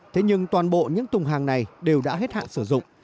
thế nhưng toàn bộ những tùng hàng này đều đã hết hạn sử dụng